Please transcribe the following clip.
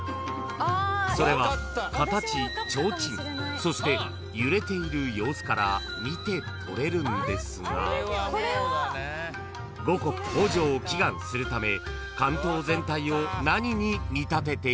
［それは形提灯そして揺れている様子から見て取れるんですが五穀豊穣を祈願するため竿燈全体を何に見立てているんでしょうか？］